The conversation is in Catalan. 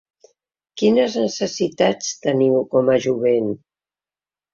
Quines necessitats teniu com a jovent?